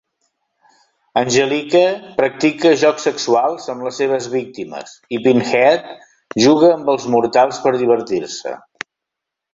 Angelique practica jocs sexuals amb les seves víctimes i Pinhead juga amb els mortals per divertir-se.